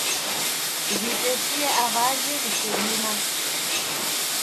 W'itesie aw'aje w'isedimaa